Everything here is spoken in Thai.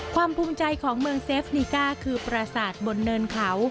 ภูมิใจของเมืองเซฟนิก้าคือประสาทบนเนินเขา